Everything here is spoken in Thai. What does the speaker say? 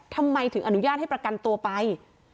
ทำไมถึงอนุญาตให้ประกันตัวไป